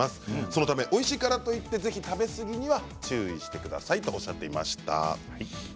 そのためおいしいからといってぜひ食べ過ぎには注意してくださいとおっしゃっていました。